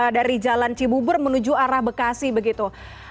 dari jalan cibubur menuju arah bekasi begitu